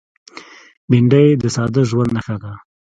بېنډۍ د ساده ژوند نښه ده